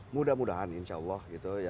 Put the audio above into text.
mudah mudahan insya allah